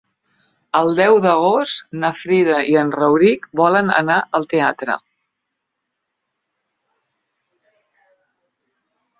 El deu d'agost na Frida i en Rauric volen anar al teatre.